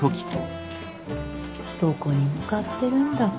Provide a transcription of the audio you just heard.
どこに向かってるんだか。